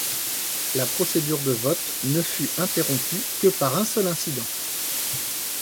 La procédure de vote ne fut interrompue que par un seul incident.